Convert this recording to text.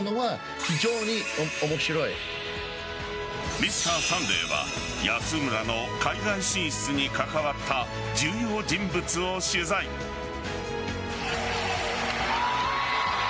「Ｍｒ．サンデー」は安村の海外進出に関わった言葉も通じない